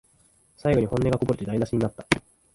最後に本音がこぼれて台なしになった